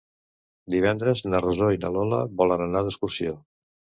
Divendres na Rosó i na Lola volen anar d'excursió.